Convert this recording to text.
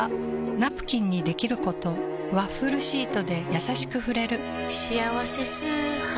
ナプキンにできることワッフルシートでやさしく触れる「しあわせ素肌」